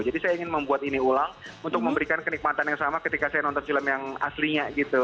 jadi saya ingin membuat ini ulang untuk memberikan kenikmatan yang sama ketika saya nonton film yang aslinya gitu